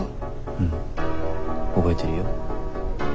うん覚えてるよ。